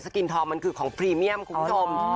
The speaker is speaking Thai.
กินทองมันคือของพรีเมียมคุณผู้ชม